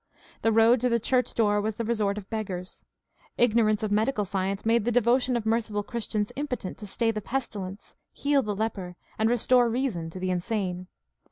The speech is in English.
The road to the church door was the resort of beggars. Ignorance of medical science made the devotion of merciful Christians impotent to stay the pestilence, heal the leper, and restore reason to the insane.